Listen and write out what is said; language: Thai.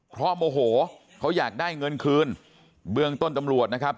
เพราะโมโหเขาอยากได้เงินคืนเบื้องต้นตำรวจนะครับ